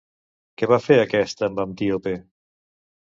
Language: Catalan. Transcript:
Què va fer aquest amb Antíope?